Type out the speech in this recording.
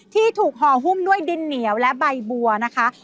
ที่ถูกห่อหุ้มด้วยดินเหนียวและใบบัวนะคะ